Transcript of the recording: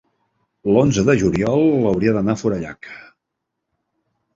l'onze de juliol hauria d'anar a Forallac.